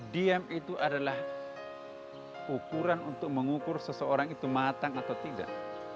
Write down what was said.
diam itu adalah ukuran untuk mengukur seseorang itu matang atau tidak